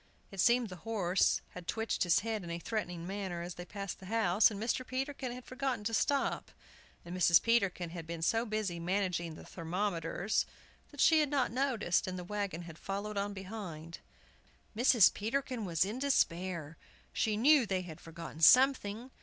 It seemed the horse had twitched his head in a threatening manner as they passed the house, and Mr. Peterkin had forgotten to stop, and Mrs. Peterkin had been so busy managing the thermometers that she had not noticed, and the wagon had followed on behind. Mrs. Peterkin was in despair. She knew they had forgotten something!